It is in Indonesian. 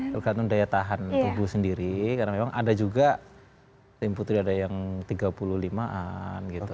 tergantung daya tahan tubuh sendiri karena memang ada juga tim putri ada yang tiga puluh lima an gitu